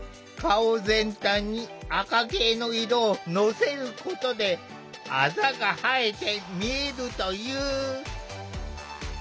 顔全体に赤系の色をのせることであざが映えて見えるという。